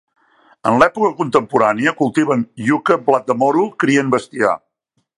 En l'època contemporània, cultiven iuca, blat de moro, crien bestiar.